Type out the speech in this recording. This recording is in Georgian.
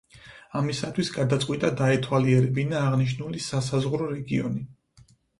ამისათვის გადაწყვიტა დაეთვალიერებინა აღნიშნული სასაზღვრო რეგიონი.